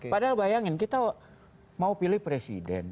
padahal bayangin kita mau pilih presiden